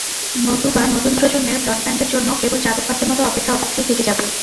নতুবা নতুন প্রজন্মের ব্রডব্যান্ডের জন্য কেবল চাতক পাখির মতো অপেক্ষা অপেক্ষাই থেকে যাবে।